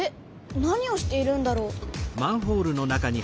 何をしているんだろう？